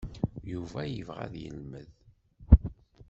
Yuba yebɣa ad yelmed.